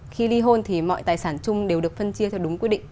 khi ly hôn thì mọi tài sản chung đều được phân chia theo đúng quy định